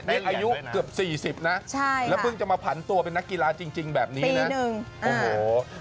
นี่อายุเกือบ๔๐นะแล้วเพิ่งจะมาผันตัวเป็นนักกีฬาจริงแบบนี้นะโอ้โห